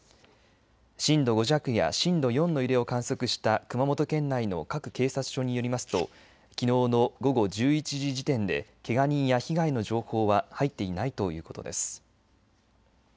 震度５弱や震度４の揺れを観測した熊本県内の各警察署によりますときのうの午後１１時時点でけが人や被害の情報は入っていないということです。